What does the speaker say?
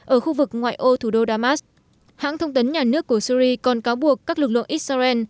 ở khu vực ngoại ô thủ đô damas hãng thông tấn nhà nước của syri còn cáo buộc các lực lượng israel